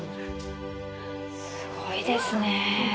すごいですね。